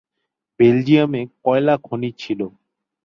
বেলজিয়ামে কয়লা খনি ছিল।